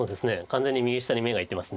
完全に右下に目がいってます。